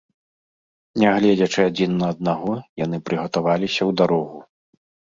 Не гледзячы адзін на аднаго, яны прыгатаваліся ў дарогу.